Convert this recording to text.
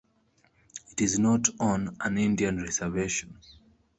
It is not on an Indian reservation.